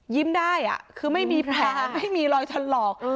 ยิ้มได้อ่ะคือไม่มีแผลไม่มีลอยทันหลอกอืม